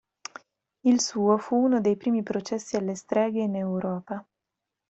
Il suo fu uno dei primi processi alle streghe in Europa.